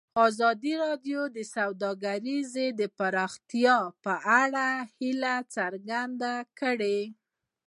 ازادي راډیو د سوداګري د پرمختګ په اړه هیله څرګنده کړې.